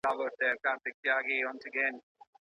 که تاسو د خاوند او ميرمني تر منځ پر بيلتون بيريږئ.